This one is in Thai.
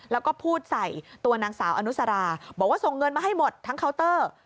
แล้วก็พูดใส่ตัวนางสาวอนุสราบอกว่าส่งเงินมาให้หมดทั้งเคาน์เตอร์